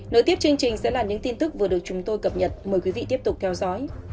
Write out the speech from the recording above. nội tiếp chương trình sẽ là những tin tức vừa được chúng tôi cập nhật mời quý vị tiếp tục theo dõi